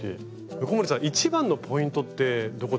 横森さん一番のポイントってどこですか？